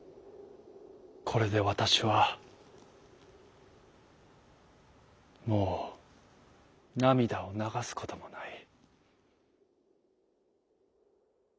「これでわたしはもうなみだをながすこともない」。